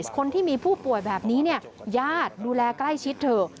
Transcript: คนที่มีผู้ป่วยแบบนี้เนี่ยญาติดูแลใกล้ชิดเถอะ